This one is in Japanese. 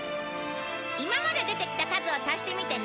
今まで出てきた数を足してみてね！